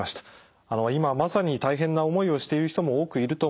今まさに大変な思いをしている人も多くいると思います。